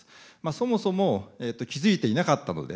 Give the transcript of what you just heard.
そもそも、気付いていなかったので、